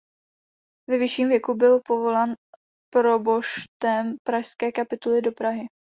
Ve vyšším věku byl povolán proboštem pražské kapituly do Prahy.